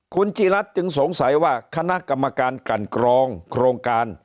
คุณจีรัฐจึงสงสัยว่าคณะกรรมการกันกรองโครงการ